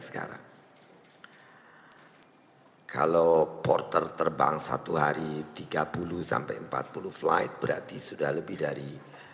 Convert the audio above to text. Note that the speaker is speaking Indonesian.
sekarang kalau porter terbang satu hari tiga puluh sampai empat puluh flight berarti sudah lebih dari